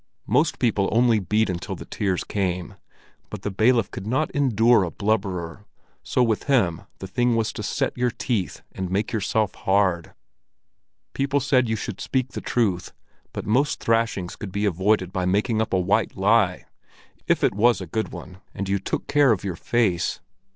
Most people only beat until the tears came, but the bailiff could not endure a blubberer, so with him the thing was to set your teeth and make yourself hard. People said you should speak the truth, but most thrashings could be avoided by making up a white lie, if it was a good one and you took care of your face.